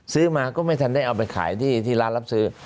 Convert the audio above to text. ซื้อมาก็ไม่ทันได้เอาไปขายที่ร้านรับซื้อ